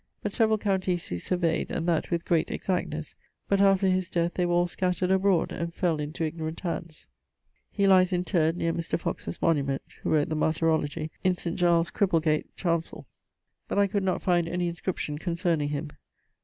But severall counties he surveyd, and that with great exactnes, but after his death they were all scattered abroad, and fell into ignorant hands. He lies interred neer Mr. Foxe's monument (who wrote the Martyrologie) in St. Giles' Cripplegate Chancell, but I could not find any inscription concerning him.